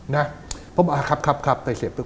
นะผมบอกอ่าครับครับแต่เสร็จปุ๊บ